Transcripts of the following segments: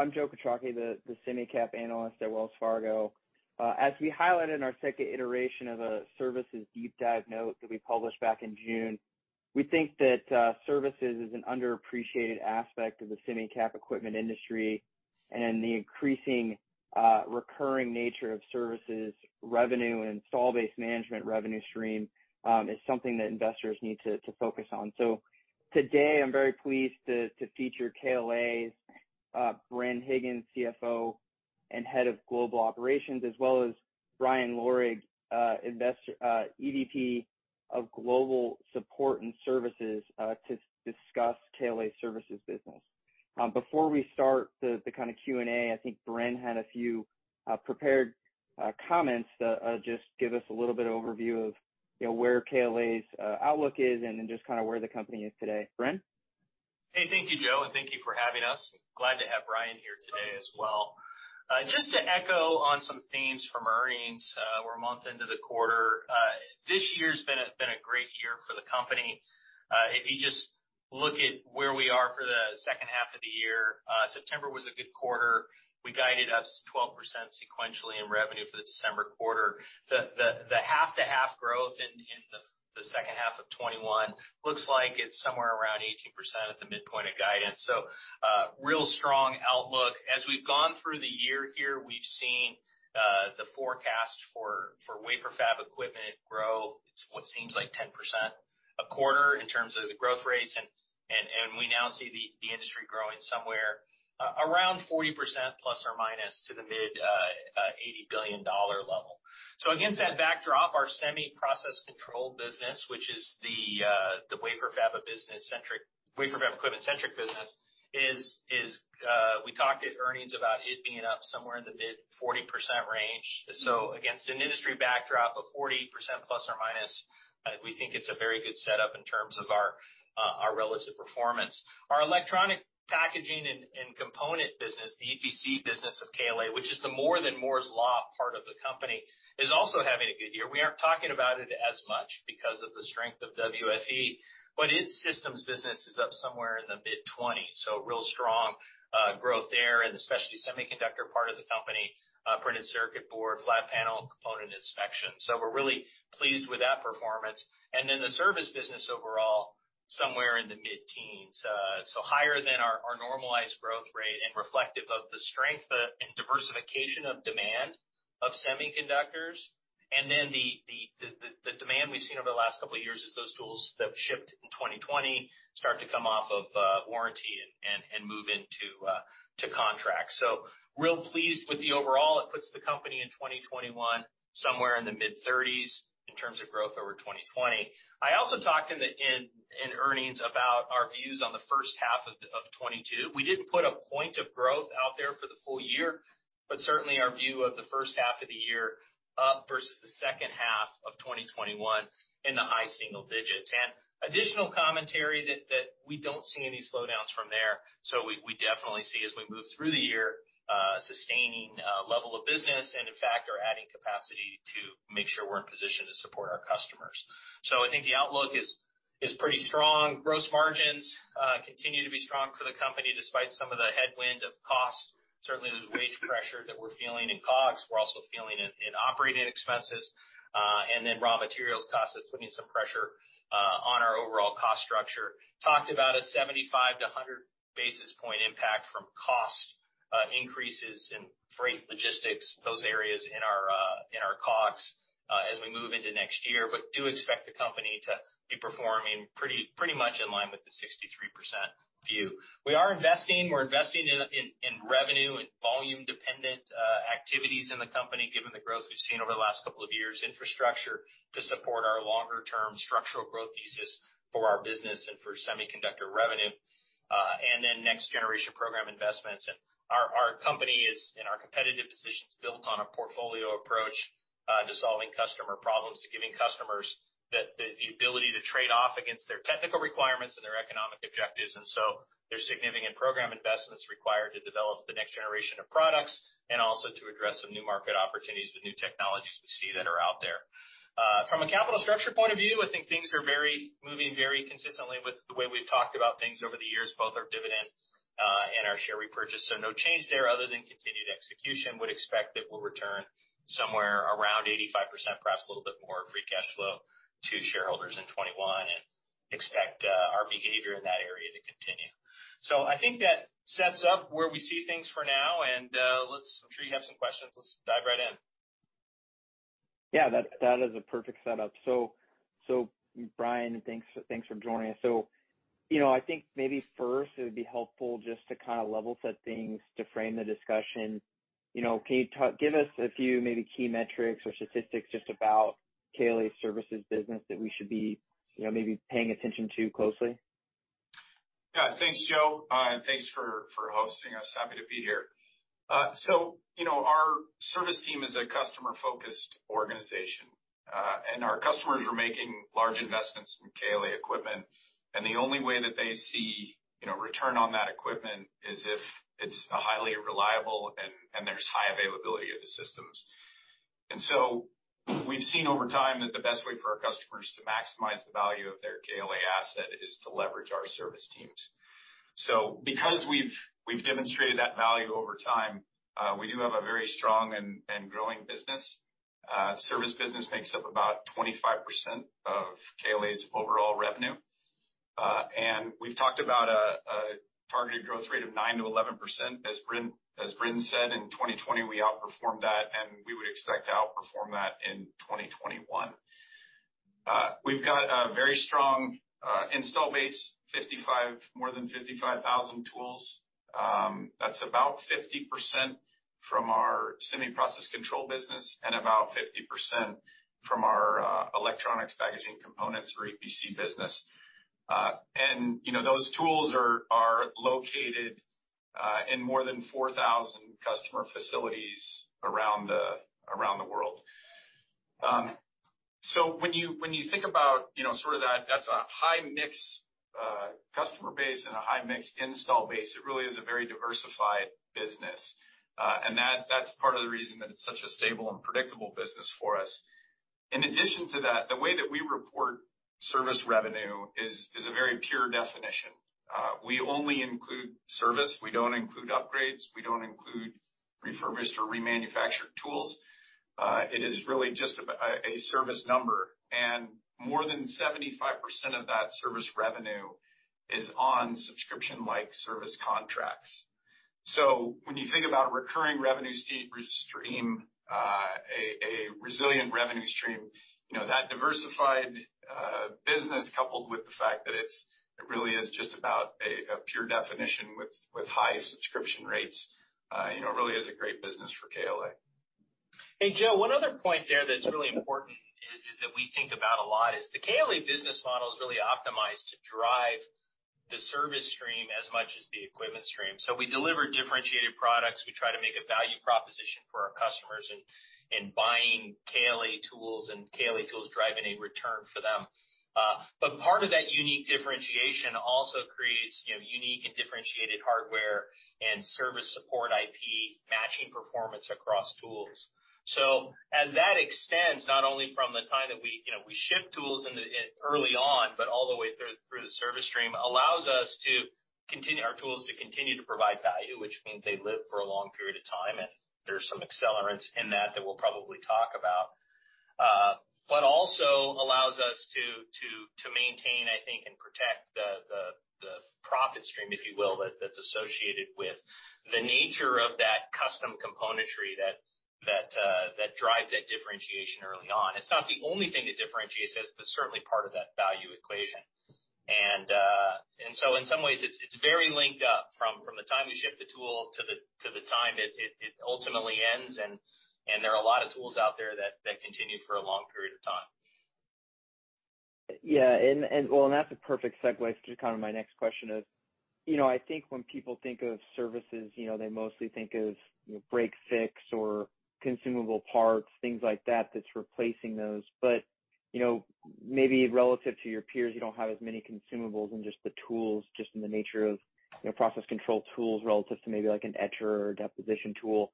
Great. I'm Joe Quatrochi, the semi cap analyst at Wells Fargo. As we highlighted in our second iteration of a services deep dive note that we published back in June, we think that services is an underappreciated aspect of the semi cap equipment industry, and the increasing recurring nature of services revenue and install-based management revenue stream, is something that investors need to focus on. Today I'm very pleased to feature KLA's, Bren Higgins, CFO and head of global operations, as well as Brian Lorig, EVP of Global Support and Services, to discuss KLA services business. Before we start the kind of Q&A, I think Bren had a few prepared comments to just give us a little bit of overview of where KLA's outlook is and then just kind of where the company is today. Bren? Hey, thank you, Joe, and thank you for having us. Glad to have Brian here today as well. Just to echo on some themes from earnings, we're a month into the quarter. This year's been a great year for the company. If you just look at where we are for the second half of the year, September was a good quarter. We guided up 12% sequentially in revenue for the December quarter. The half-to-half growth in the second half of 2021 looks like it's somewhere around 18% at the midpoint of guidance. Real strong outlook. As we've gone through the year here, we've seen the forecast for wafer fab equipment grow. It's what seems like 10% a quarter in terms of the growth rates, and we now see the industry growing somewhere around 40% plus or minus to the mid $80 billion level. Against that backdrop, our semiconductor process control business, which is the wafer fab equipment-centric business is, we talked at earnings about it being up somewhere in the mid 40% range. Against an industry backdrop of 40% plus or minus, we think it's a very good setup in terms of our relative performance. Our Electronics, Packaging, and Component business, the EPC business of KLA, which is the more than Moore's Law part of the company, is also having a good year. We aren't talking about it as much because of the strength of WFE, but its systems business is up somewhere in the mid 20%. Real strong growth there in the specialty semiconductor part of the company, printed circuit board, flat panel, component inspection. We're really pleased with that performance. The service business overall, somewhere in the mid-teens, so higher than our normalized growth rate and reflective of the strength and diversification of demand of semiconductors. The demand we've seen over the last couple of years is those tools that shipped in 2020 start to come off of warranty and move into contract. Real pleased with the overall. It puts the company in 2021, somewhere in the mid 30s in terms of growth over 2020. I also talked in earnings about our views on the first half of 2022. We didn't put a point of growth out there for the full year, but certainly our view of the first half of the year up versus the second half of 2021 in the high single digits. Additional commentary that we don't see any slowdowns from there. We definitely see as we move through the year, a sustaining level of business and in fact are adding capacity to make sure we're in position to support our customers. I think the outlook is pretty strong. Gross margins continue to be strong for the company despite some of the headwind of costs. Certainly, those wage pressure that we're feeling in COGS, we're also feeling it in operating expenses, and then raw materials cost that's putting some pressure on our overall cost structure. Talked about a 75-100 basis point impact from cost increases in freight logistics, those areas in our COGS, as we move into next year. Do expect the company to be performing pretty much in line with the 63% view. We are investing. We're investing in revenue and volume dependent activities in the company, given the growth we've seen over the last couple of years, infrastructure to support our longer term structural growth thesis for our business and for semiconductor revenue. Next generation program investments, and our company is in our competitive position. It's built on a portfolio approach, to solving customer problems, to giving customers the ability to trade off against their technical requirements and their economic objectives. There's significant program investments required to develop the next generation of products and also to address some new market opportunities with new technologies we see that are out there. From a capital structure point of view, I think things are moving very consistently with the way we've talked about things over the years, both our dividend, and our share repurchase. No change there other than continued execution. Would expect that we'll return somewhere around 85%, perhaps a little bit more free cash flow to shareholders in 2021 and expect our behavior in that area to continue. I think that sets up where we see things for now, and I'm sure you have some questions. Let's dive right in. Yeah, that is a perfect setup. Brian, thanks for joining us. I think maybe first it would be helpful just to kind of level set things to frame the discussion. Can you give us a few maybe key metrics or statistics just about KLA services business that we should be maybe paying attention to closely? Thanks, Joe. Thanks for hosting us. Happy to be here. Our service team is a customer-focused organization. Our customers are making large investments in KLA equipment, and the only way that they see return on that equipment is if it's a highly reliable There's high availability of the systems. We've seen over time that the best way for our customers to maximize the value of their KLA asset is to leverage our service teams. Because we've demonstrated that value over time, we do have a very strong and growing business. Service business makes up about 25% of KLA's overall revenue. We've talked about a targeted growth rate of 9%-11%. As Bren said, in 2020, we outperformed that, and we would expect to outperform that in 2021. We've got a very strong install base, more than 55,000 tools. That's about 50% from our semiconductor process control business and about 50% from our Electronics, Packaging, and Component or EPC business. Those tools are located in more than 4,000 customer facilities around the world. When you think about that's a high mix customer base and a high mix install base. It really is a very diversified business, and that's part of the reason that it's such a stable and predictable business for us. In addition to that, the way that we report service revenue is a very pure definition. We only include service. We don't include upgrades. We don't include refurbished or remanufactured tools. It is really just a service number, and more than 75% of that service revenue is on subscription-like service contracts. When you think about recurring revenue stream, a resilient revenue stream, that diversified business, coupled with the fact that it really is just about a pure definition with high subscription rates, really is a great business for KLA. Hey, Joe, one other point there that's really important is that we think about a lot is the KLA business model is really optimized to drive the service stream as much as the equipment stream. We deliver differentiated products. We try to make a value proposition for our customers in buying KLA tools, and KLA tools driving a return for them. Part of that unique differentiation also creates unique and differentiated hardware and service support IP, matching performance across tools. As that extends, not only from the time that we ship tools in early on, but all the way through the service stream, allows our tools to continue to provide value, which means they live for a long period of time, and there's some accelerants in that that we'll probably talk about. Also allows us to maintain, I think, and protect the profit stream, if you will, that's associated with the nature of that custom componentry that drives that differentiation early on. It's not the only thing that differentiates it, but certainly part of that value equation. In some ways it's very linked up from the time you ship the tool to the time it ultimately ends, and there are a lot of tools out there that continue for a long period of time. Yeah. That's a perfect segue to kind of my next question of, I think when people think of services, they mostly think of break, fix, or consumable parts, things like that's replacing those. But maybe relative to your peers, you don't have as many consumables and just the tools, just in the nature of semiconductor process control tools relative to maybe like an etcher or deposition tool.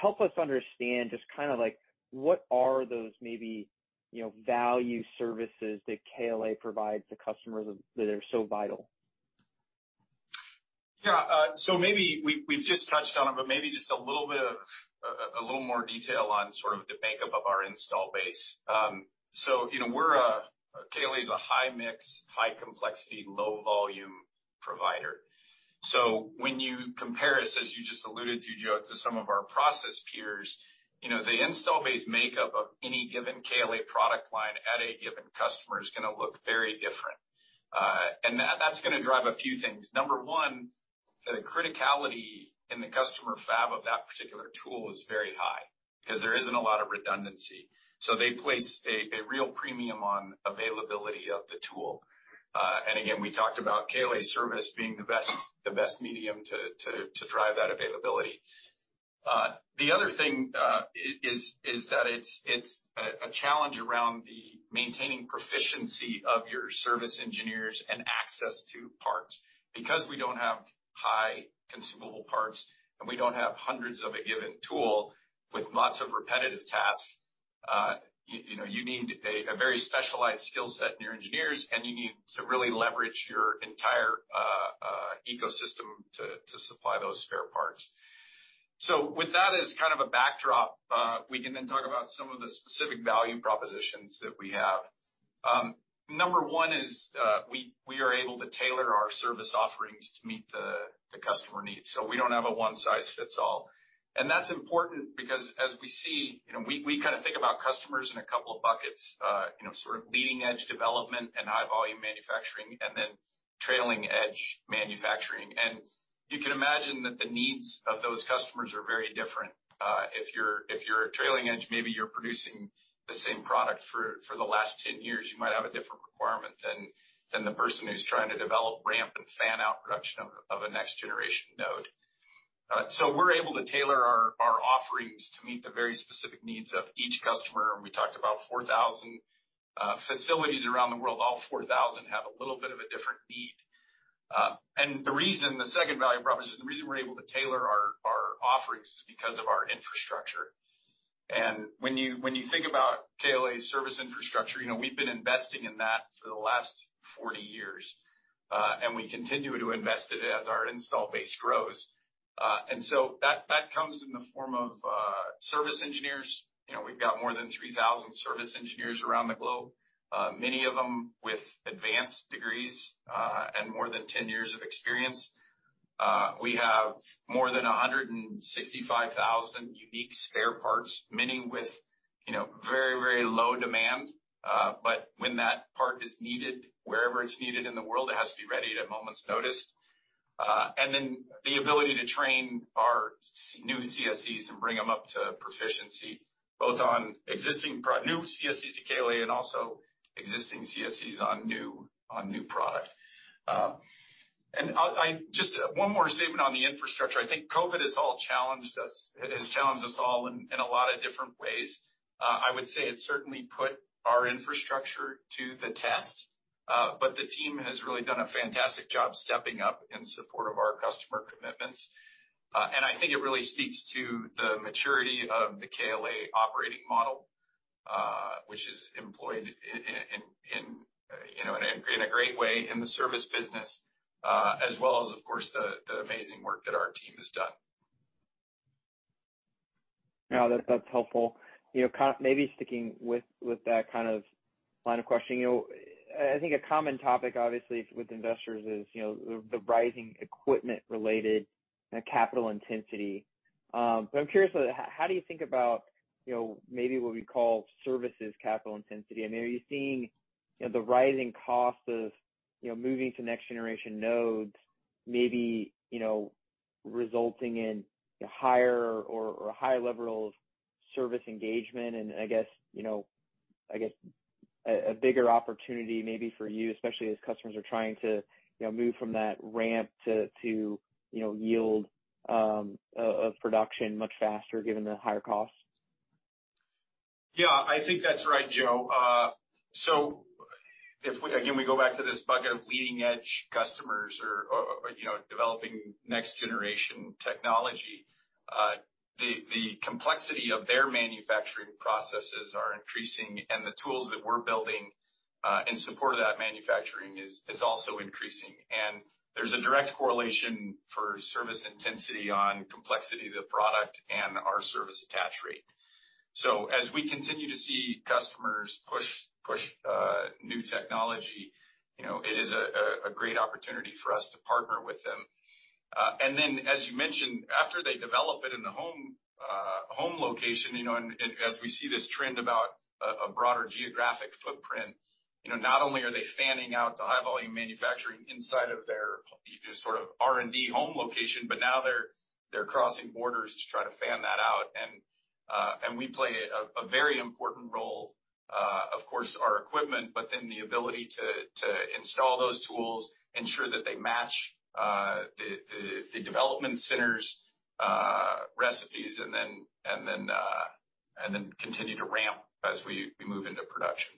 Help us understand just kind of like, what are those, maybe, value services that KLA provides to customers that are so vital? Yeah. Maybe we've just touched on it, but maybe just a little more detail on sort of the makeup of our install base. KLA is a high mix, high complexity, low volume provider. When you compare us, as you just alluded to, Joe, to some of our process peers, the install base makeup of any given KLA product line at a given customer is going to look very different. That's going to drive a few things. Number 1, the criticality in the customer fab of that particular tool is very high because there isn't a lot of redundancy. They place a real premium on availability of the tool. Again, we talked about KLA service being the best medium to drive that availability. The other thing is that it's a challenge around the maintaining proficiency of your service engineers and access to parts. Because we don't have high consumable parts and we don't have hundreds of a given tool with lots of repetitive tasks, you need a very specialized skill set in your engineers, and you need to really leverage your entire ecosystem to supply those spare parts. With that as kind of a backdrop, we can then talk about some of the specific value propositions that we have. Number 1 is we are able to tailor our service offerings to meet the customer needs. We don't have a one size fits all. That's important because as we see, we kind of think about customers in a couple of buckets, sort of leading edge development and high volume manufacturing, and then trailing edge manufacturing. You can imagine that the needs of those customers are very different. If you're a trailing edge, maybe you're producing the same product for the last 10 years, you might have a different requirement than the person who's trying to develop ramp and fan out production of a next generation node. We're able to tailor our offerings to meet the very specific needs of each customer. We talked about 4,000 facilities around the world. All 4,000 have a little bit of a different need. The reason, the second value proposition, the reason we're able to tailor our offerings is because of our infrastructure. When you think about KLA's service infrastructure, we've been investing in that for the last 40 years, and we continue to invest it as our install base grows. That comes in the form of service engineers. We've got more than 3,000 service engineers around the globe, many of them with advanced degrees, and more than 10 years of experience. We have more than 165,000 unique spare parts, many with very low demand. When that part is needed, wherever it's needed in the world, it has to be ready at a moment's notice. The ability to train our new CSEs and bring them up to proficiency, both on existing product, new CSEs to KLA, and also existing CSEs on new product. Just one more statement on the infrastructure. I think COVID has challenged us all in a lot of different ways. I would say it certainly put our infrastructure to the test. The team has really done a fantastic job stepping up in support of our customer commitments. I think it really speaks to the maturity of the KLA operating model, which is employed in a great way in the service business, as well as, of course, the amazing work that our team has done. No, that's helpful. Maybe sticking with that kind of line of questioning, I think a common topic, obviously, with investors is the rising equipment related capital intensity. I'm curious, how do you think about maybe what we call services capital intensity? Are you seeing the rising cost of moving to next generation nodes, maybe resulting in higher or a higher level of service engagement and I guess, a bigger opportunity maybe for you, especially as customers are trying to move from that ramp to yield of production much faster given the higher costs? I think that's right, Joe. If, again, we go back to this bucket of leading-edge customers or developing next generation technology, the complexity of their manufacturing processes are increasing, the tools that we're building in support of that manufacturing is also increasing. There's a direct correlation for service intensity on complexity of the product and our service attach rate. As we continue to see customers push new technology, it is a great opportunity for us to partner with them. Then, as you mentioned, after they develop it in the home location, as we see this trend about a broader geographic footprint, not only are they fanning out to high volume manufacturing inside of their R&D home location, but now they're crossing borders to try to fan that out. We play a very important role, of course, our equipment, then the ability to install those tools, ensure that they match the development centers, recipes, then continue to ramp as we move into production.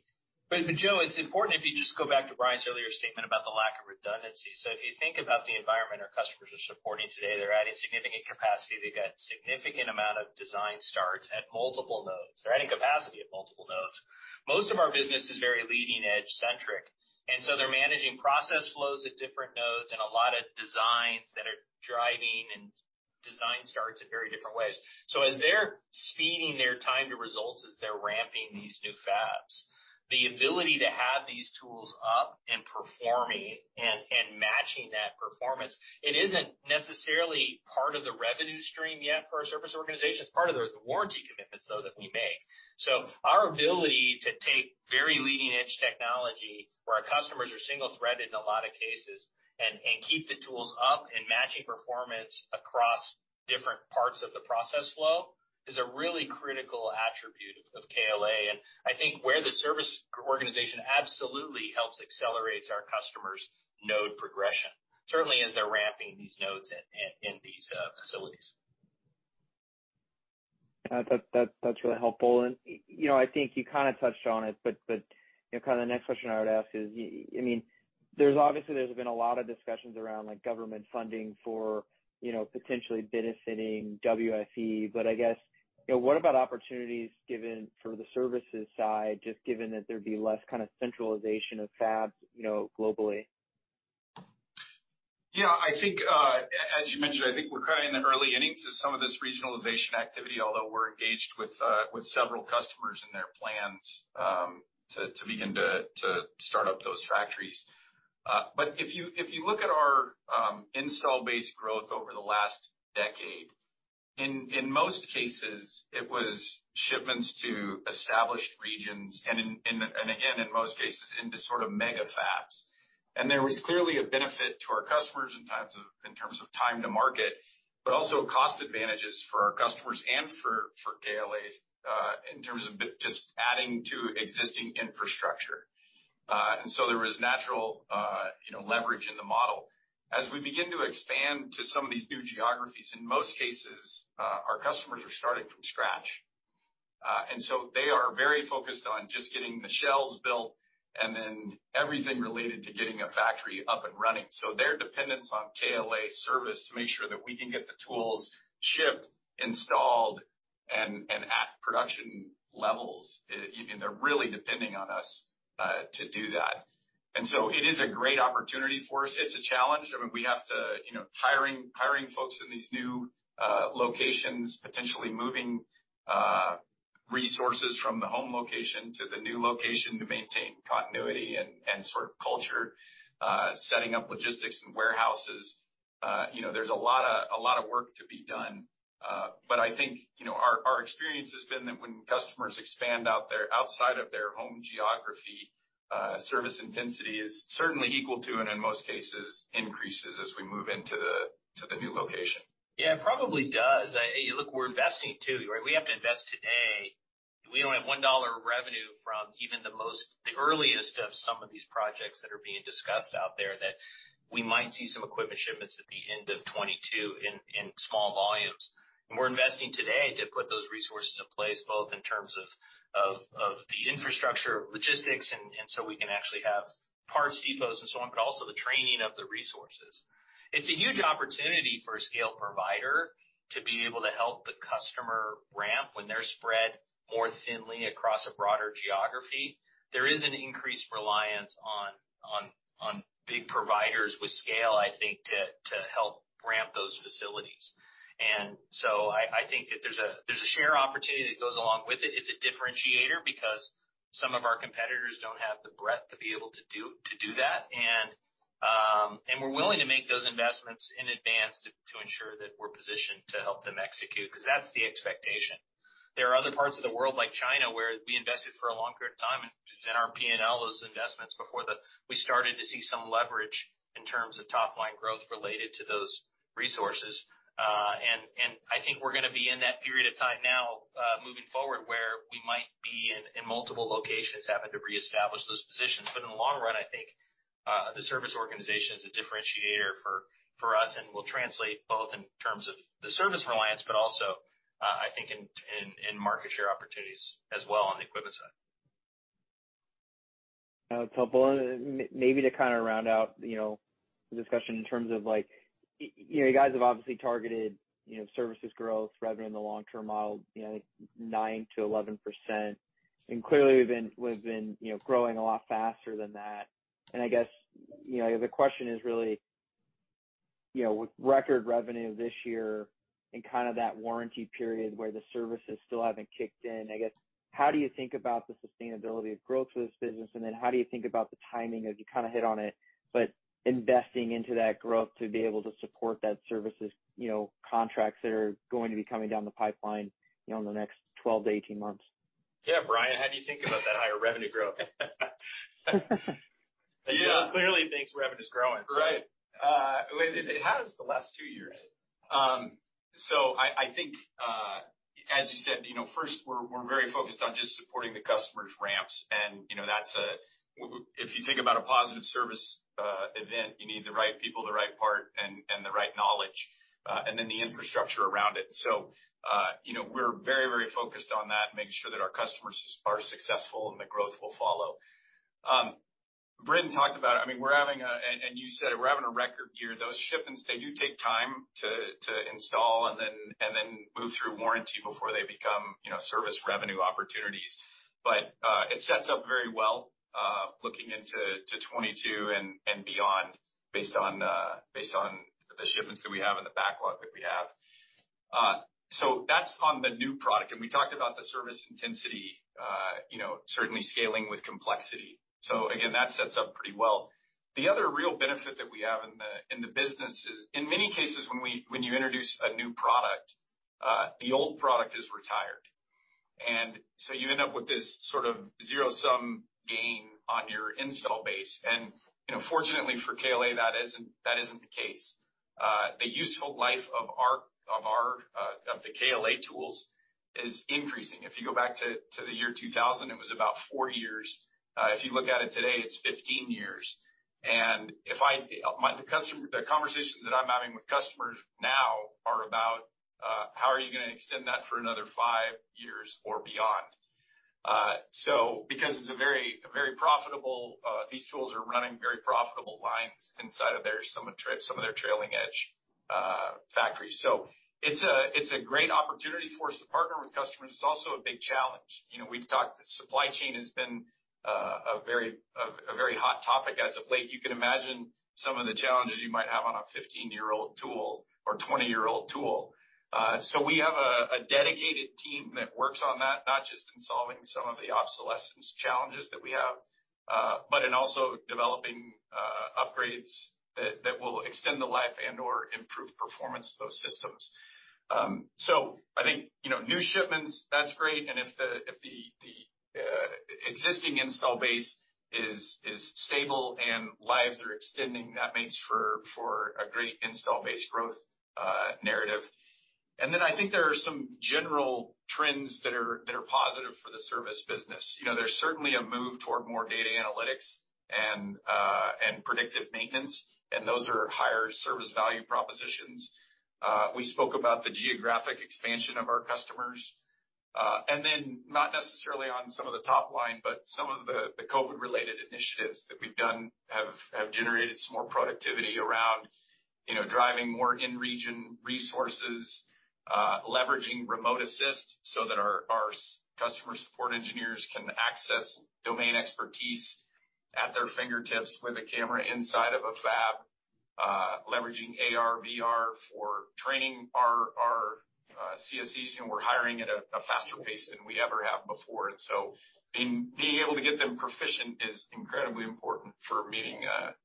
Joe, it's important if you just go back to Brian's earlier statement about the lack of redundancy. If you think about the environment our customers are supporting today, they're adding significant capacity. They've got significant amount of design starts at multiple nodes. They're adding capacity at multiple nodes. Most of our business is very leading edge centric, they're managing process flows at different nodes and a lot of designs that are driving and design starts in very different ways. As they're speeding their time to results, as they're ramping these new fabs, the ability to have these tools up and performing and matching that performance, it isn't necessarily part of the revenue stream yet for our service organization. It's part of the warranty commitments, though, that we make. Our ability to take very leading edge technology where our customers are single-threaded in a lot of cases and keep the tools up and matching performance across different parts of the process flow, is a really critical attribute of KLA. I think where the service organization absolutely helps accelerates our customers' node progression, certainly as they're ramping these nodes in these facilities. That's really helpful. I think you kind of touched on it, but the next question I would ask is, there's obviously been a lot of discussions around government funding for potentially benefiting WFE. I guess, what about opportunities given for the services side, just given that there'd be less kind of centralization of fabs globally? Yeah, as you mentioned, I think we're kind of in the early innings of some of this regionalization activity, although we're engaged with several customers in their plans to begin to start up those factories. If you look at our install base growth over the last decade, in most cases, it was shipments to established regions and again, in most cases, into sort of mega fabs. There was clearly a benefit to our customers in terms of time to market, but also cost advantages for our customers and for KLA, in terms of just adding to existing infrastructure. There was natural leverage in the model. As we begin to expand to some of these new geographies, in most cases, our customers are starting from scratch. They are very focused on just getting the shells built and then everything related to getting a factory up and running. Their dependence on KLA service to make sure that we can get the tools shipped, installed, and at production levels, and they're really depending on us to do that. It is a great opportunity for us. It's a challenge. Hiring folks in these new locations, potentially moving resources from the home location to the new location to maintain continuity and culture, setting up logistics and warehouses. There's a lot of work to be done. I think, our experience has been that when customers expand outside of their home geography, service intensity is certainly equal to and in most cases, increases as we move into the new location. Yeah, it probably does. Look, we're investing too, right? We have to invest today, and we don't have $1 of revenue from even the earliest of some of these projects that are being discussed out there, that we might see some equipment shipments at the end of 2022 in small volumes. We're investing today to put those resources in place, both in terms of the infrastructure, logistics, and so we can actually have parts depots and so on, but also the training of the resources. It's a huge opportunity for a scale provider to be able to help the customer ramp when they're spread more thinly across a broader geography. There is an increased reliance on big providers with scale, I think, to help ramp those facilities. I think that there's a share opportunity that goes along with it. It's a differentiator because some of our competitors don't have the breadth to be able to do that. We're willing to make those investments in advance to ensure that we're positioned to help them execute, because that's the expectation. There are other parts of the world, like China, where we invested for a long period of time, and in our P&L, those investments before we started to see some leverage in terms of top-line growth related to those resources. I think we're going to be in that period of time now, moving forward, where we might be in multiple locations having to reestablish those positions. In the long run, I think the service organization is a differentiator for us, and will translate both in terms of the service reliance, but also, I think in market share opportunities as well on the equipment side. Now, top on, maybe to kind of round out the discussion in terms of, you guys have obviously targeted services growth revenue in the long term model, 9%-11%. Clearly, we've been growing a lot faster than that. I guess the question is really, with record revenue this year and kind of that warranty period where the services still haven't kicked in, I guess, how do you think about the sustainability of growth for this business? Then how do you think about the timing, as you kind of hit on it, but investing into that growth to be able to support that services contracts that are going to be coming down the pipeline in the next 12 to 18 months? Yeah, Brian, how do you think about that higher revenue growth? Clearly thinks revenue's growing. Right. It has the last two years. I think, as you said, first, we're very focused on just supporting the customer's ramps. If you think about a positive service event, you need the right people, the right part, and the right knowledge, and then the infrastructure around it. We're very focused on that, making sure that our customers are successful, and the growth will follow. Bren talked about it, and you said it, we're having a record year. Those shipments, they do take time to install and then move through warranty before they become service revenue opportunities. It sets up very well, looking into 2022 and beyond based on the shipments that we have and the backlog that we have. That's on the new product. We talked about the service intensity, certainly scaling with complexity. Again, that sets up pretty well. The other real benefit that we have in the business is, in many cases, when you introduce a new product, the old product is retired. You end up with this sort of zero-sum gain on your install base. Fortunately for KLA, that isn't the case. The useful life of the KLA tools is increasing. If you go back to the year 2000, it was about four years. If you look at it today, it's 15 years. The conversations that I'm having with customers now are about, how are you going to extend that for another five years or beyond? Because these tools are running very profitable lines inside of some of their trailing-edge factories. It's a great opportunity for us to partner with customers. It's also a big challenge. We've talked, the supply chain has been a very hot topic as of late. You can imagine some of the challenges you might have on a 15-year-old tool or 20-year-old tool. We have a dedicated team that works on that, not just in solving some of the obsolescence challenges that we have, but in also developing upgrades that will extend the life and/or improve performance of those systems. I think, new shipments, that's great, and if the existing install base is stable and lives are extending, that makes for a great install-based growth narrative. I think there are some general trends that are positive for the service business. There's certainly a move toward more data analytics and predictive maintenance, and those are higher service value propositions. We spoke about the geographic expansion of our customers. Not necessarily on some of the top line, but some of the COVID-related initiatives that we've done have generated some more productivity around driving more in-region resources, leveraging remote assist so that our customer support engineers can access domain expertise at their fingertips with a camera inside of a fab, leveraging AR, VR for training our CSEs, and we're hiring at a faster pace than we ever have before. Being able to get them proficient is incredibly important for meeting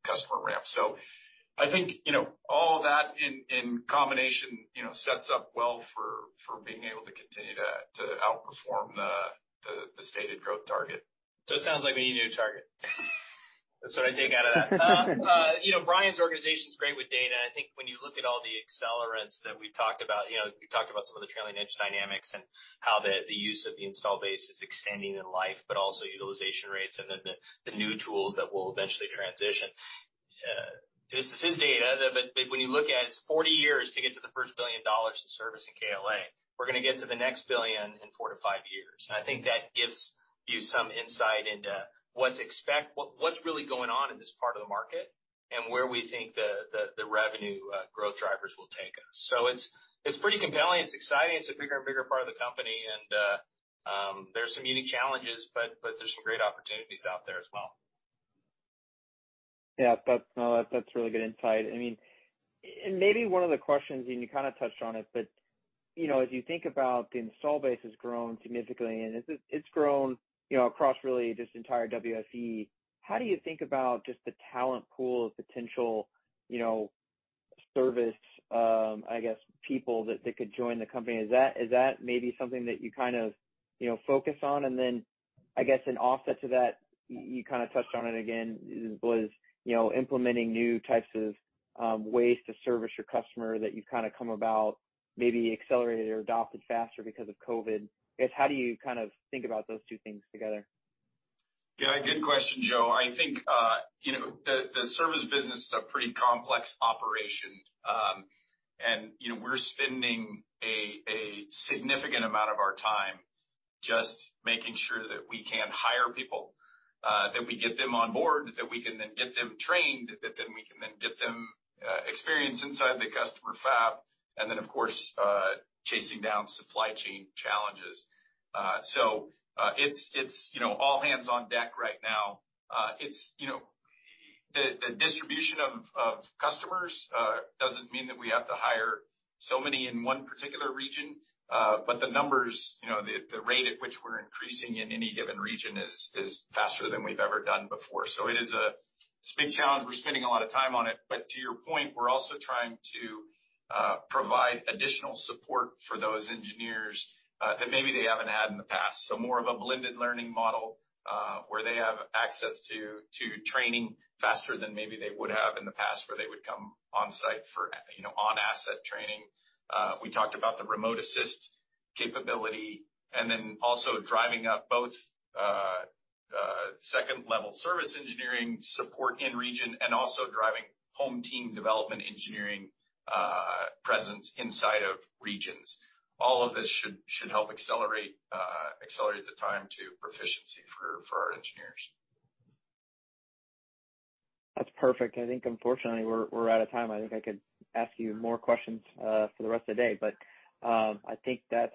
customer ramp. I think all that in combination sets up well for being able to continue to outperform the stated growth target. It sounds like we need a new target. That's what I take out of that. Brian's organization is great with data. I think when you look at all the accelerants that we've talked about, we've talked about some of the trailing edge dynamics and how the use of the install base is extending in life, but also utilization rates and then the new tools that we'll eventually transition. This is his data, but when you look at it's 40 years to get to the first $1 billion in service in KLA. We're going to get to the next billion in four to five years. I think that gives you some insight into what's really going on in this part of the market and where we think the revenue growth drivers will take us. It's pretty compelling, it's exciting, it's a bigger and bigger part of the company. There's some unique challenges, there's some great opportunities out there as well. Yeah. That's really good insight. Maybe one of the questions, and you kind of touched on it, as you think about the install base has grown significantly, and it's grown across really just entire WFE, how do you think about just the talent pool of potential service, I guess, people that could join the company? Is that maybe something that you kind of focus on? An offset to that, you kind of touched on it again, was implementing new types of ways to service your customer that you've kind of come about maybe accelerated or adopted faster because of COVID. How do you kind about think about those two things together? Yeah, good question, Joe. I think the service business is a pretty complex operation. We're spending a significant amount of our time just making sure that we can hire people, that we get them on board, that we can then get them trained, that then we can then get them experience inside the customer fab, and then, of course, chasing down supply chain challenges. It's all hands on deck right now. The distribution of customers doesn't mean that we have to hire so many in one particular region, the numbers, the rate at which we're increasing in any given region is faster than we've ever done before. It is a big challenge. We're spending a lot of time on it. To your point, we're also trying to provide additional support for those engineers that maybe they haven't had in the past. more of a blended learning model, where they have access to training faster than maybe they would have in the past, where they would come on-site for on-asset training. We talked about the remote assist capability, and then also driving up both second-level service engineering support in region and also driving home team development engineering presence inside of regions. All of this should help accelerate the time to proficiency for our engineers. That's perfect. I think unfortunately, we're out of time. I think I could ask you more questions for the rest of the day, but I think that's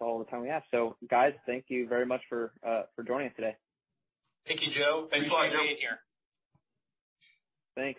all the time we have. guys, thank you very much for joining us today. Thank you, Joe. Thanks a lot, Joe. Thanks for being here.